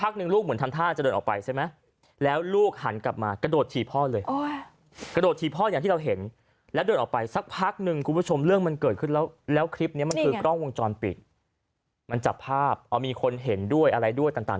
เขาพูดเป็นภาษาอังกฤษเอ้อไม่ใช่สิ